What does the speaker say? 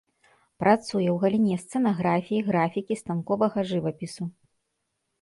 Працуе ў галіне сцэнаграфіі, графікі, станковага жывапісу.